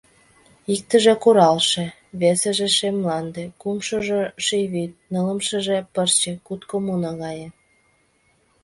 Иктыже — куралше, Весыже — шем мланде, кумшыжо — ший вӱд, Нылымшыже — пырче, кутко муно гае.